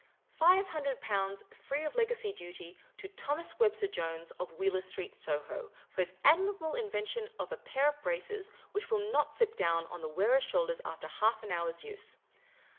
Five Hi ndred Pounds, free of legacy duty, to Thomas Webster Jones, of Wheeler Street, Soho, for his admirable invention of a pair of braces which will not slip down on the wearer's shoulders after half an hour's use.